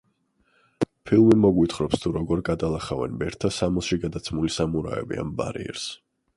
ფილმი მოგვითხრობს თუ როგორ გადალახავენ ბერთა სამოსში გადაცმული სამურაები ამ ბარიერს.